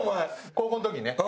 高校の時ね。